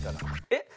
えっ？